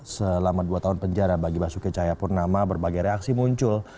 selama dua tahun penjara bagi basuki cahayapurnama berbagai reaksi muncul